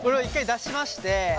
出しまして。